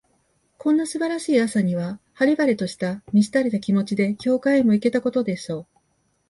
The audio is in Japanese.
こんな素晴らしい朝には、晴れ晴れとした、満ち足りた気持ちで、教会へも行けたことでしょう。